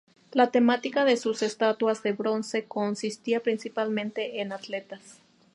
La temática de sus estatuas de bronce consistía principalmente en atletas.